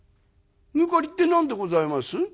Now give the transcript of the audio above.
「抜かりって何でございます？」。